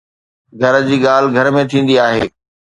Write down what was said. گهر جي ڳالهه گهر ۾ ٿيندي آهي.